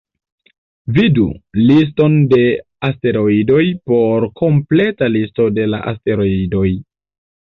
Vidu "Liston de asteroidoj" por kompleta listo de la asteroidoj.